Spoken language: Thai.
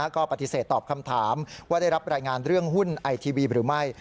ก็ปฏิเสธตอบคำถามว่าได้รับรายงานเรื่องหุ้นไอทีวีหรือไม่